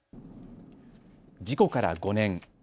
事故から５年。